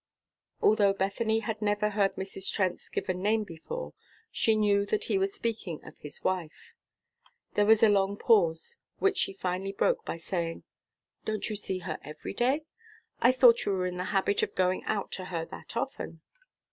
Although Bethany had never heard Mrs. Trent's given name before, she knew that he was speaking of his wife. There was a long pause, which she finally broke by saying, "Don't you see her every day? I thought you were in the habit of going out to her that often."